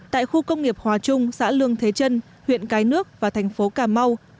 tại khu công nghiệp hòa trung xã lương thế trân huyện cái nước và thành phố cà mau